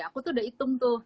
aku tuh udah hitung tuh